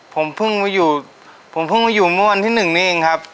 ผมเพิ่งมาอยู่ผมเพิ่งมาอยู่เมื่อวันที่๑นี้เองครับ